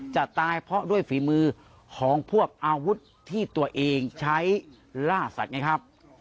จะตายเพราะด้วยฝีมือของพวกอาวุธที่ตัวเองใช้ล่าสัตว์ไงครับ